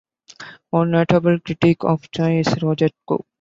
One notable critic of Choi is Roger Koo.